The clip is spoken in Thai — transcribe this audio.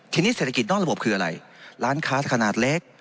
ทีนี้เศรษฐกิจนอกระบบคืออะไรร้านค้าขนาดเล็ก